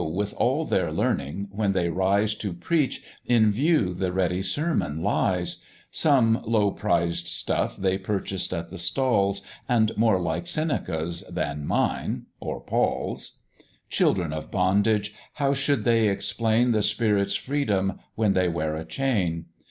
with all their learning, when they rise To preach, in view the ready sermon lies; Some low prized stuff they purchased at the stalls, And more like Seneca's than mine or Paul's: Children of Bondage, how should they explain The Spirit's freedom, while they wear a chain?